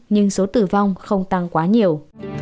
nhưng số tử vong không tăng quá nhiều